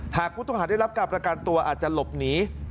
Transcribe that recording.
ถ้ากุธฮัตได้รับการประกันตัวอาจจะหลบหนี